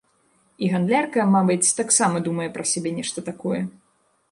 І гандлярка, мабыць, таксама думае пра сябе нешта такое.